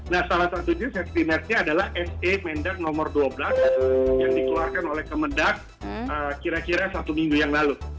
nah salah satunya safety netnya adalah se mendak nomor dua belas yang dikeluarkan oleh kemendak kira kira satu minggu yang lalu